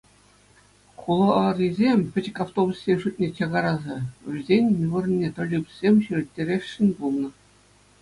Хуларисем пӗчӗк автобуссен шутне чакараса вӗсен вырӑнне троллейбуссем ҫӳреттересшӗн пулнӑ.